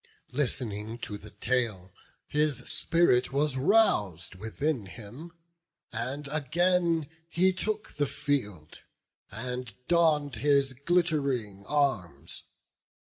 List'ning to the tale, His spirit was rous'd within him; and again He took the field, and donn'd his glitt'ring arms.